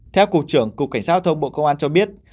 theo cục trưởng cục cảnh sát giao thông bộ công an cho biết